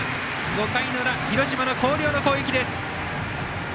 ５回の裏、広島の広陵の攻撃です。